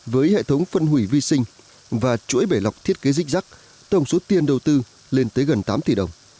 với hệ thống phân hủy vi sinh và chuỗi bể lọc thiết kế dích rắc tổng số tiền đầu tư lên tới gần tám tỷ đồng